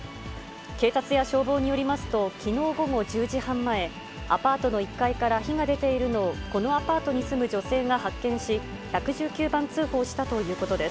警察や消防によりますと、きのう午後１０時半前、アパートの１階から火が出ているのをこのアパートに住む女性が発見し、１１９番通報したということです。